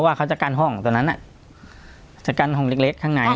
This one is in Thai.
ว่าเขาจะกั้นห้องตอนนั้นจะกั้นห้องเล็กข้างใน